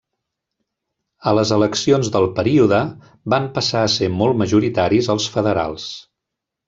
A les eleccions del període van passar a ser molt majoritaris els federals.